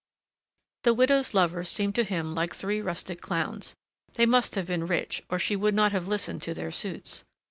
The widow's lovers seemed to him like three rustic clowns. They must have been rich, or she would not have listened to their suits.